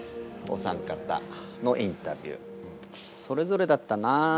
お三方のインタビューそれぞれだったなあ。